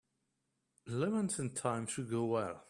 Lemons and thyme should go well.